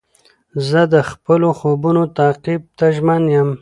زه د خپلو خوبو تعقیب ته ژمن یم.